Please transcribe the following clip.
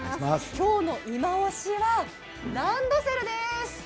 きょうのいまオシはランドセルです。